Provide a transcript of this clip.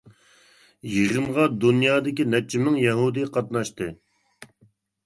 يىغىنغا دۇنيادىكى نەچچە مىڭ يەھۇدىي قاتناشتى.